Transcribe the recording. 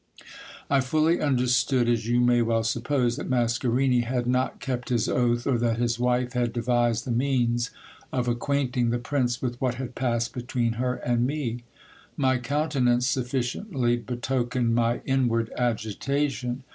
I fully understood, as you may well suppose, that Mascarini had not kept his oath, or that his wife had devised the means of acquainting the prince with what had passed between her and me. My countenance sufficiently betokened my inward agitation.